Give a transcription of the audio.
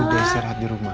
udah istirahat di rumah